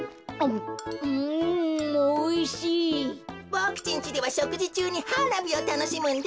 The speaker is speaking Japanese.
ボクちんちではしょくじちゅうにはなびをたのしむんだ。